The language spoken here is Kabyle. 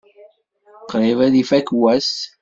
Qrib ad ifak wass.